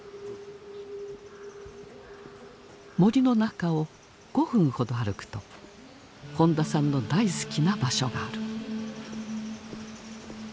森の中を５分ほど歩くと本田さんの大好きな場所がある。